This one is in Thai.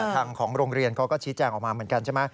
ทางของโรงเรียนเขาก็ชี้แจงออกมาเหมือนกันใช่ไหม